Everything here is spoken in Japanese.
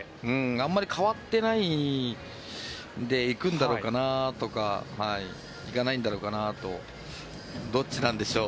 あまり変わっていないので行くんだろうかなとか行かないんだろうかとどっちなんでしょう。